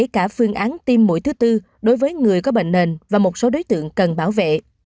cả phương án tiêm mũi thứ tư đối với người có bệnh nền và một số đối tượng cần bảo vệ